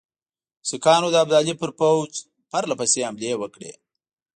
سیکهانو د ابدالي پر پوځ پرله پسې حملې وکړې.